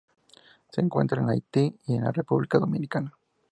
Se encuentran en Haití y en la República Dominicana.